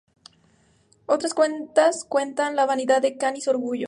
Otras cuentas cuentan la vanidad de Khan y su orgullo.